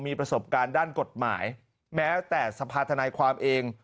มีประสบการณ์ด้านกฎหมายแม้แต่สภาธนายความเอง